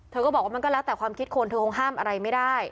เธอก็บอกว่ามันก็แล้วแต่ความคิดคนเธอคงห้ามอะไรไม่ได้